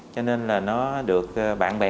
cho nên là nó được bạn bè gọi là minh pháp sư